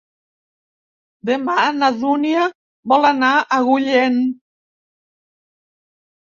Demà na Dúnia va a Agullent.